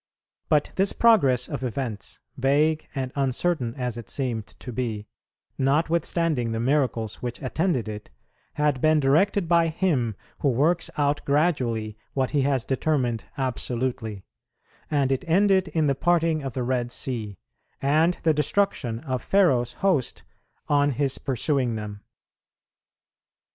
But this progress of events, vague and uncertain as it seemed to be, notwithstanding the miracles which attended it, had been directed by Him who works out gradually what He has determined absolutely; and it ended in the parting of the Red Sea, and the destruction of Pharaoh's host, on his pursuing them.